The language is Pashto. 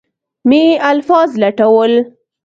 مې الفاظ لټول.